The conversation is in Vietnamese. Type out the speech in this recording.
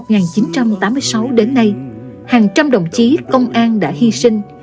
c podcasts từ một nghìn chín trăm chín mươi sáu đến nay hàng trăm đồng chí công an đã hy sinh